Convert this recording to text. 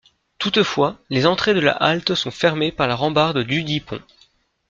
Toutefois, les entrées de la halte sont fermées par la rambarde dudit pont.